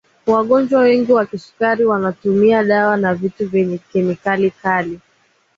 wagonjwa wengi wa kisukari wanatumia dawa na vitu vyenye kemikali kali